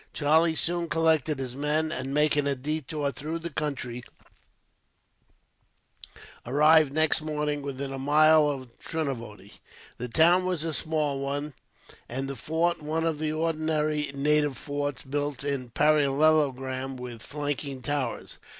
Charlie soon collected his men and, making a detour through the country, arrived next morning within a mile of Trinavody. The town was a small one, and the fort one of the ordinary native forts, built in a parallelogram with flanking towers.